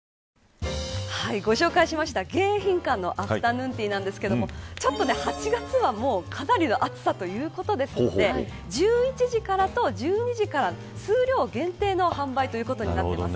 ご紹介しました迎賓館のアフタヌーンティーなんですが８月はもう、かなりの暑さということですので１１時からと１２時からの数量限定の販売ということになっています。